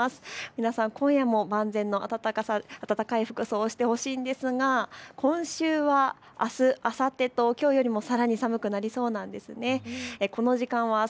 皆さん、今夜も万全な暖かい服装、してほしいんですが今週はあす、あさってときょうよりもさらに寒くなりそうなんです。